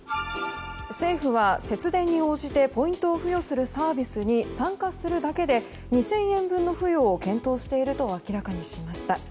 政府は節電に応じてポイントを付与するサービスに参加するだけで２０００円分の付与を検討していると明らかにしました。